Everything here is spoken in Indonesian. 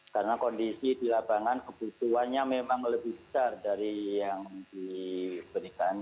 karena kondisi di lapangan kebutuhannya memang lebih besar dari yang diberikan